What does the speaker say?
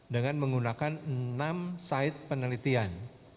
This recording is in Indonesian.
dengan menggunakan enam site penelitian